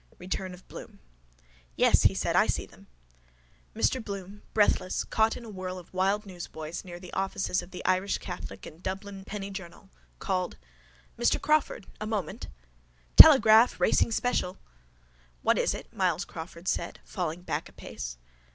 RETURN OF BLOOM —Yes, he said. I see them. Mr Bloom, breathless, caught in a whirl of wild newsboys near the offices of the Irish Catholic and Dublin Penny Journal, called: —Mr Crawford! A moment! —Telegraph! Racing special! —What is it? Myles Crawford said, falling back a pace.